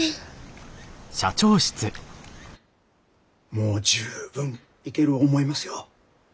もう十分いける思いますよ。